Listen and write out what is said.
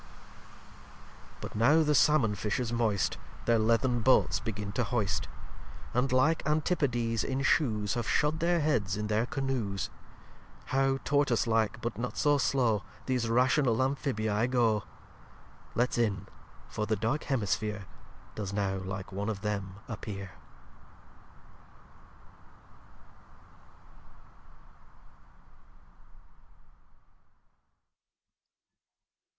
xcvii But now the Salmon Fishers moist Their Leathern Boats begin to hoist; And, like Antipodes in Shoes, Have shod their Heads in their Canoos. How Tortoise like, but not so slow, These rational Amphibii go? Let's in: for the dark Hemisphere Does now like one of them appear.